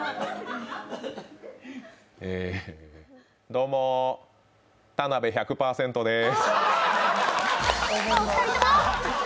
どうも、田辺１００％です。